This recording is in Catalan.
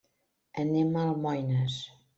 Anem a Almoines.